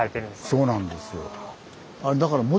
あれそうなんですよ。